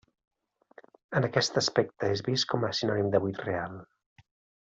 En aquest aspecte és vist com a sinònim de buit real.